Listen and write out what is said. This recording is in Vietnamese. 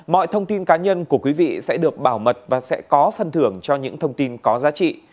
mọi thông tin cá nhân của quý vị sẽ được bảo mật và sẽ có phân thưởng cho những thông tin có giá trị